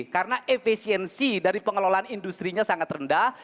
karena efisiensi dari pengelolaan industrinya sangat rendah